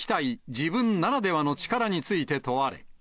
自分ならではの力について問われ。